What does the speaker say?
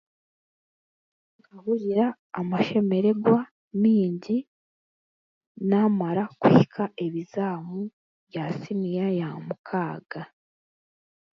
Nkahurira amashemererwa maingi naamara kwika ebizaamu bya siniya yaamukaaga